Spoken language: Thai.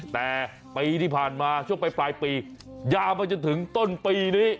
แต่ปีที่ผ่านมาช่วงไปปลายปียาวไปจนถึงต้นปีนี้